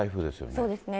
そうですね。